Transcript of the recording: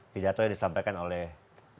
tidak tahu yang disampaikan oleh mas ahy